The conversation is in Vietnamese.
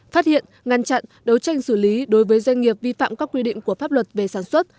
phát hiện ngăn chặn đấu tranh xử lý đối với doanh nghiệp vi phạm các quy định của pháp luật về sản xuất